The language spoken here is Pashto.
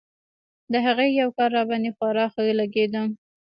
د هغې يو کار راباندې خورا ښه لګېده.